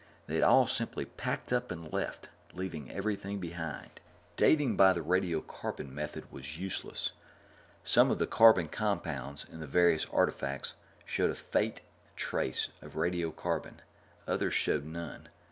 They'd all simply packed up and left, leaving everything behind. Dating by the radiocarbon method was useless. Some of the carbon compounds in the various artifacts showed a faint trace of radiocarbon, others showed none.